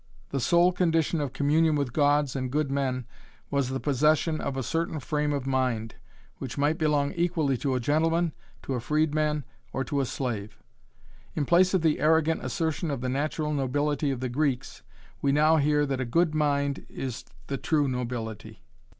The sole condition of communion with gods and good men was the possession of a certain frame of mind, which might belong equally to a gentleman, to a freedman, or to a slave. In place of the arrogant assertion of the natural nobility of the Greeks, we now hear that a good mind is the true nobility.